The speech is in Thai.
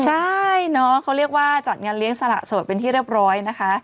ใช่เนาะเขาเรียกว่าจัดงานเลี้ยงสละโสดเป็นที่เรียบร้อยนะคะ